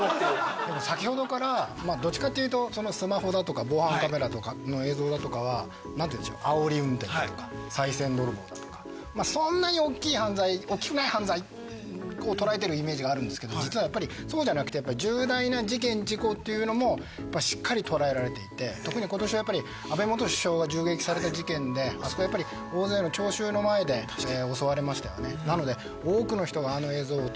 でも先ほどからどっちかっていうとスマホだとか防犯カメラとかの映像だとかは何ていうんでしょうあおり運転とかさい銭泥棒だとかまあそんなにおっきい犯罪おっきくない犯罪を捉えてるイメージがあるんですけど実はやっぱりそうじゃなくて重大な事件事故っていうのもしっかり捉えられていて特に今年はやっぱり安倍元首相が銃撃された事件であそこやっぱり大勢の聴衆の前で襲われましたよねなので多くの人があの映像を撮っていた。